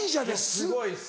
すごいです。